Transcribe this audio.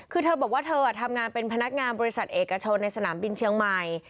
คือเธอบอกว่าเธอทำงานเป็นพนักงานบริษัทเอกชนในสนามบินเชียงใหม่